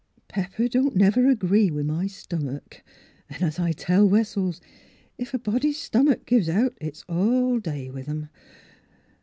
Pepper don't never agree with my stomick. An', as I tell Wessels, if a body's stomitk gives out it's all day with 'em.